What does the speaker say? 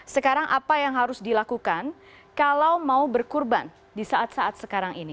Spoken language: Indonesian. sekarang apa yang harus dilakukan kalau mau berkurban di saat saat sekarang ini